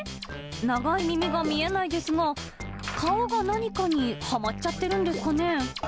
長い耳が見えないですが、顔が何かにはまっちゃってるんですかね。